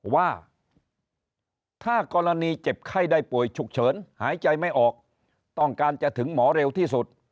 ว่าถ้ากรณีเจ็บไข้ได้ป่วยฉุกเฉินหายใจไม่ออกต้องการจะถึงหมอเร็วที่สุด